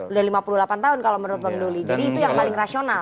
udah lima puluh delapan tahun kalau menurut bang doli jadi itu yang paling rasional